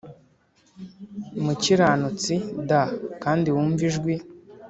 Mukiranutsi d kandi wumve ijwi